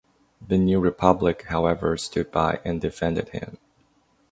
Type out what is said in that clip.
"The New Republic", however, stood by and defended him.